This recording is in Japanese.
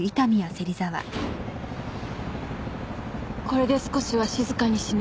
これで少しは静かに死ねる。